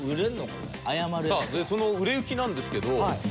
その売れ行きなんですけど。